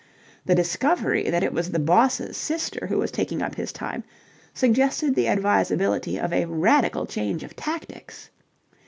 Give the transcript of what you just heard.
The discovery that it was the boss's sister who was taking up his time, suggested the advisability of a radical change of tactics.